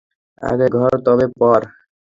আগে ঘর, তবে পর।